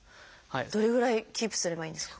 どれぐらいキープすればいいんですか？